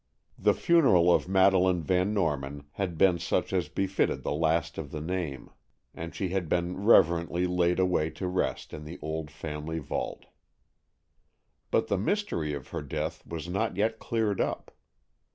The funeral of Madeleine Van Norman had been such as befitted the last of the name, and she had been reverently laid away to rest in the old family vault. But the mystery of her death was not yet cleared up.